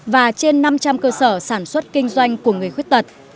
và trên năm trăm linh cơ sở sản xuất kinh doanh của người khuyết tật